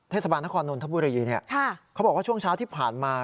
เทศบาลนครนนทบุรีเขาบอกว่าช่วงเช้าที่ผ่านมา